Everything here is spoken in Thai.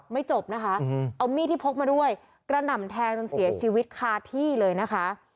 จบนะคะเอามีดที่พกมาด้วยกระหน่ำแทงจนเสียชีวิตคาที่เลยนะคะ